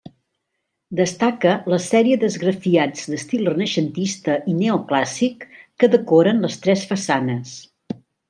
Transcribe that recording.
Destaca la sèrie d'esgrafiats d'estil renaixentista i neoclàssic, que decoren les tres façanes.